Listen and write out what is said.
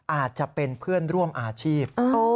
อาจจะเป็นเพื่อนร่วมอาชีพ